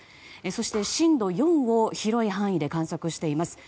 そして、震度４を広い範囲で観測しています。